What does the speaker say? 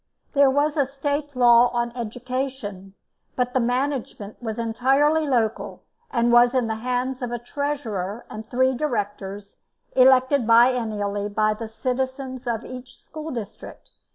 There was a State law on education, but the management was entirely local, and was in the hands of a treasurer and three directors, elected biennally by the citizens of each school district.